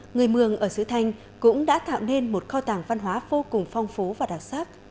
người mường ở sứ thanh cũng đã tạo nên một kho tàng văn hóa vô cùng phong phú và đặc sắc